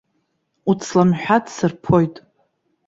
Уцламҳәа ҭсырԥоит!